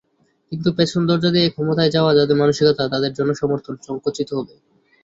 কিন্তু পেছন দরজা দিয়ে ক্ষমতায় যাওয়া যাদের মানসিকতা, তাদের জনসমর্থন সংকুচিত হবে।